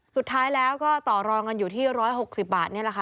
สุดท้ายแล้วก็ต่อรองกันอยู่ที่๑๖๐บาทนี่แหละค่ะ